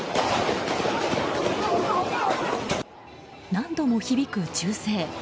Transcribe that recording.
何度も響く銃声。